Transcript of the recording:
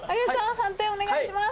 判定お願いします。